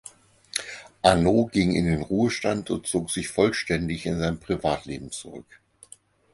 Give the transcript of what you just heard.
Arnault ging in den Ruhestand und zog sich vollständig in sein Privatleben zurück.